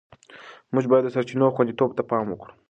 موږ باید د سرچینو خوندیتوب ته پام وکړو.